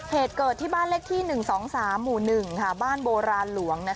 เหตุเกิดที่บ้านเลขที่๑๒๓หมู่๑บ้านโบราณหลวง